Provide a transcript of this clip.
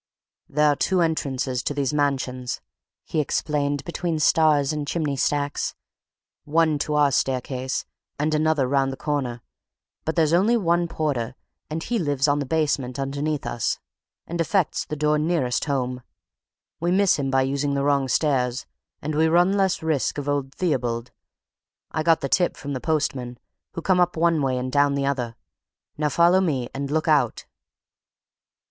"There are two entrances to these mansions," he explained between stars and chimney stacks: "one to our staircase, and another round the corner. But there's only one porter, and he lives on the basement underneath us, and affects the door nearest home. We miss him by using the wrong stairs, and we run less risk of old Theobald. I got the tip from the postmen, who come up one way and down the other. Now, follow me, and look out!"